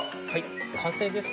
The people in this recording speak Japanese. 完成です。